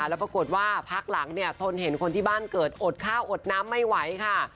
แล้วปรากฏว่าพักหลังเนี่ยทนเห็นคนที่บ้านเกิดอดข้าวอดน้ำไม่ไหวค่ะ